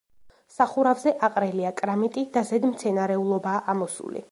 სახურავზე აყრილია კრამიტი და ზედ მცენარეულობაა ამოსული.